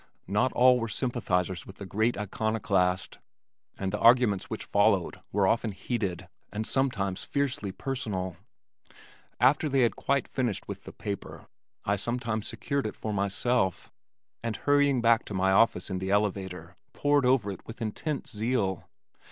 Not all were sympathizers with the great iconoclast, and the arguments which followed were often heated and sometimes fiercely personal. After they had quite finished with the paper, I sometimes secured it for myself, and hurrying back to my office in the elevator pored over it with intense zeal.